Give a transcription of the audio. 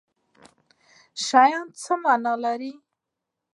شیان څه معنی لري